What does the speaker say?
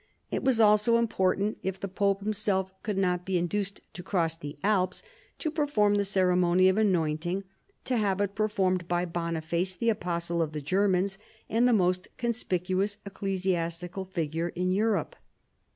It was also important, if the pope himself could not be induced to cross the Alps to perform the ceremony ol" anointing, to have it performed by Boniface the Apostle of the Germans, and the most conspicuous ecclesiastical figure in Europe.